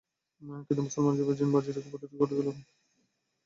কিন্তু মুসলমানরা যেভাবে জীবন বাজি রেখে প্রতিরোধ গড়ে তোলে তাতে তিনি নিজেই কেঁপে ওঠেন।